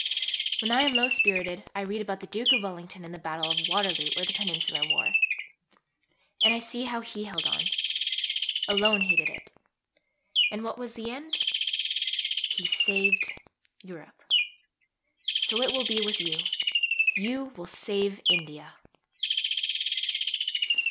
When I am low spirited I read about the Duke of Wellington in the Battle of Waterloo or the Peninsular War. And I see how he held on. Alone he did it. And what was the end? He saved Europe. So it will be with you. You will save India.